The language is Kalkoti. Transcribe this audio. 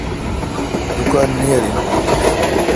دوکان نیر این۔